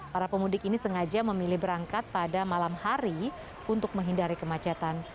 para pemudik ini sengaja memilih berangkat pada malam hari untuk menghindari kemacetan